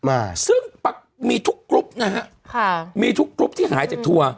มาซึ่งมีทุกกรุ๊ปนะฮะค่ะมีทุกกรุ๊ปที่หายจากทัวร์